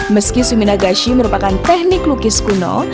meski suminagashi merupakan teknik lukis kuno